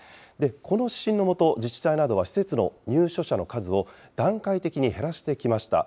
この指針の下、自治体などは施設の入所者の数を、段階的に減らしてきました。